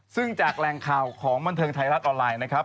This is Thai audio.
ซึ่งจากแหล่งข่าวของบันเทิงไทยรัฐออนไลน์นะครับ